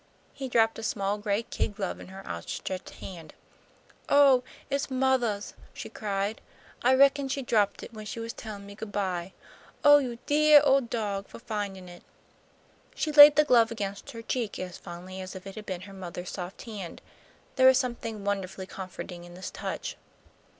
He dropped a small gray kid glove in her outstretched hand. "Oh, it's mothah's!" she cried. "I reckon she dropped it when she was tellin' me good bye. Oh, you deah old dog fo' findin' it." She laid the glove against her cheek as fondly as if it had been her mother's soft hand. There was something wonderfully comforting in the touch.